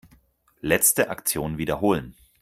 Letzte Aktion wiederholen.